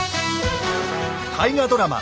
大河ドラマ